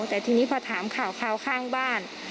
แต่ทีนี้พอถามข่าวข้างบ้าน